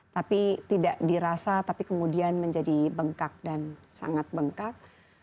tapi tidak dirasa tapi kemudian menjadi bengkak dan sangat bengkak